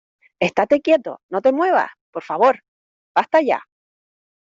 ¡ estate quieto, no te muevas , por favor! ¡ basta ya !